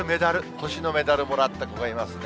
星のメダルもらった子がいますね。